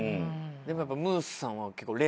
でもやっぱムースさんは結構冷静というか。